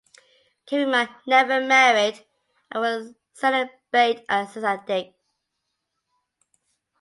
Karima never married and was celibate and ascetic.